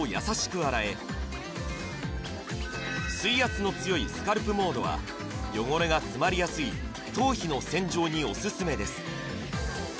洗え水圧の強いスカルプモードは汚れが詰まりやすい頭皮の洗浄にオススメです